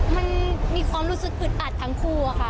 มันมีความรู้สึกอึดอัดทั้งคู่อะค่ะ